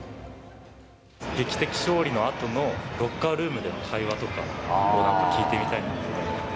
劇的勝利のあとのロッカールームでの会話とか聞いてみたいなと思って。